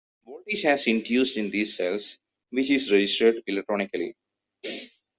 A voltage is induced in these cells, which is registered electronically.